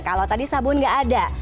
kalau tadi sabun nggak ada